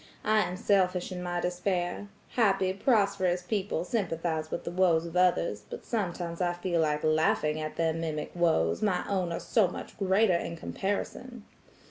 I am selfish in my despair. Happy, prosperous people sympathize with the woes of others, but sometimes I feel like laughing at their mimic woes, my own are so much greater in comparison.